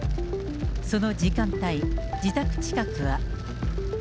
その時間帯、自宅近くは。